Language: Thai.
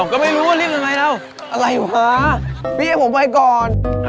ก็ไม่รู้ว่ารีบยังไงแล้วอะไรวะพี่ให้ผมไปก่อน